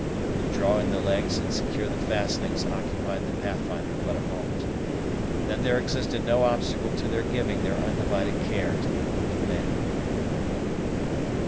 To draw in the legs and secure the fastenings occupied the Pathfinder but a moment. Then there existed no obstacle to their giving their undivided care to the wounded man.